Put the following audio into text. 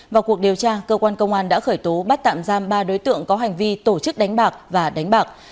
vào cuộc điều tra cơ quan công an đã khởi tố bắt tạm giam ba đối tượng có hành vi tổ chức đánh bạc và đánh bạc